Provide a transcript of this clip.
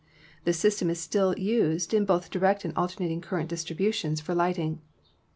This system is still used in both direct and alter nating current distributions for lighting.